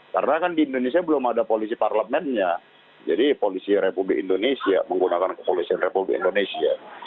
karena kan di indonesia belum ada polisi parlemennya jadi polisi republik indonesia menggunakan kepolisian republik indonesia